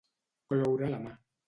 Cloure la mà.